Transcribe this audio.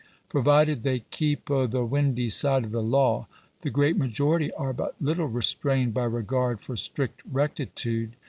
Provided they " keep o' the windy side of the law," the great majority are but little restrained by regard for strict rectitude.